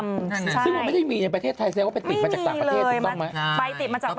ไม่ใช่ไม่มีในประเทศไทยเสร็จไม่มีไปติดมาจากต่างประเทศถูกต้องไหม